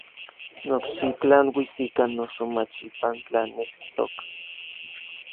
Mokxitlanuis ikan noso mach ipan tlanestok.